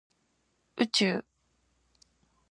宇宙